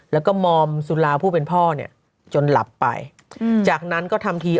แล้วก็มอมสุราผู้เป็นพ่อเนี่ยจนหลับไปอืมจากนั้นก็ทำที